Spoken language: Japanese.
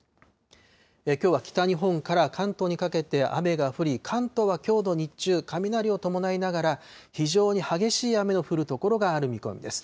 きょうは北日本から関東にかけて雨が降り、関東はきょうの日中、雷を伴いながら非常に激しい雨の降る所がある見込みです。